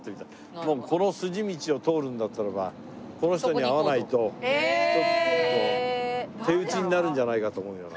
もうこの筋道を通るんだったらばこの人に会わないとちょっと手打ちになるんじゃないかと思うような。